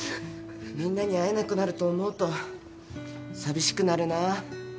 みんなに会えなくなると思うと寂しくなるなぁ。